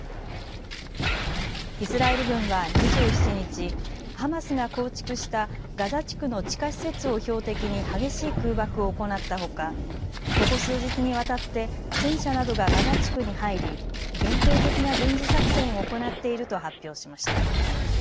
イスラエル軍は２７日、ハマスが構築したガザ地区の地下施設を標的に激しい空爆を行ったほかここ数日にわたって戦車などがガザ地区に入り限定的な軍事作戦を行っていると発表しました。